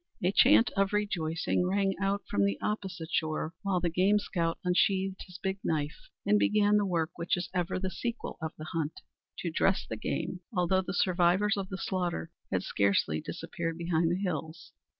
A chant of rejoicing rang out from the opposite shore, while the game scout unsheathed his big knife and began the work which is ever the sequel of the hunt to dress the game; although the survivors of the slaughter had scarcely disappeared behind the hills.